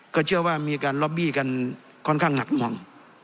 ก็เชื่อว่ามีการล็อบบี้กันค่อนข้างหนักหน่วง